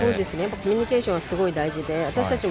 コミュニケーションはすごく大事で私たちも